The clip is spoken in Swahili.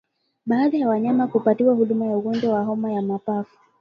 Baada ya wanyama kupatiwa huduma ya ugonjwa wa homa ya mapafu